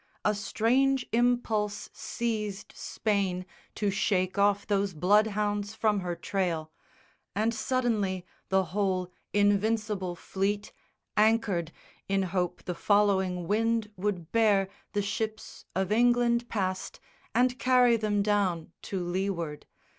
A strange impulse seized Spain to shake off those bloodhounds from her trail, And suddenly the whole Invincible Fleet Anchored, in hope the following wind would bear The ships of England past and carry them down To leeward.